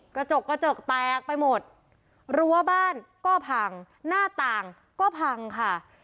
กระจกกระจก